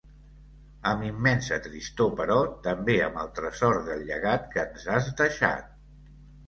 Amb immensa tristor però també amb el tresor del llegat que ens has deixat.